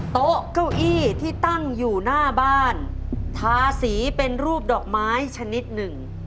โต๊ะเก้าอี้ที่ตั้งอยู่หน้าบ้านทาสีเป็นรูปดอกไม้ชนิดหนึ่ง